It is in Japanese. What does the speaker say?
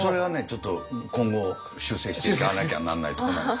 ちょっと今後修正していかなきゃなんないとこなんですけども。